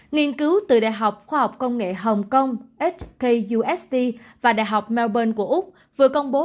nghiên cứu từ đại học khoa học công nghệ hồng kông x kus và đại học melbourne của úc vừa công bố